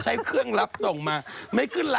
ชื่ออะไรบ้างน่ะ